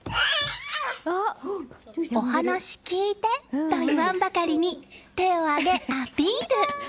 お話聞いて！と言わんばかりに手を挙げ、アピール！